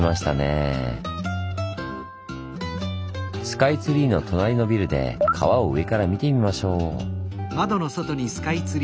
スカイツリーの隣のビルで川を上から見てみましょう。